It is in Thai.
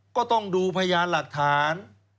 ก็ต้องดูพยานหลักฐาน